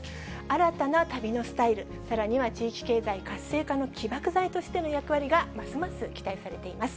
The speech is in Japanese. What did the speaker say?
新たな旅のスタイル、さらには地域経済活性化の起爆剤としての役割がますます期待されています。